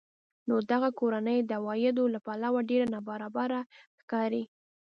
نو دغه کورنۍ د عوایدو له پلوه ډېره نابرابره ښکاري